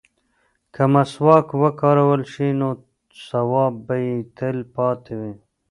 که مسواک وکارول شي نو ثواب به یې تل پاتې وي.